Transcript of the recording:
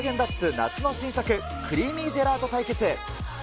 夏の新作、クリーミージェラート対決。